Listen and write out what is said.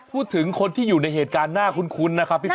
พูดถึงคนที่อยู่ในเหตุการณ์น่าคุ้นนะครับพี่ฝน